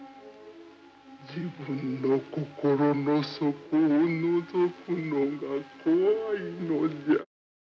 自分の心の底をのぞくのが怖いのじゃ。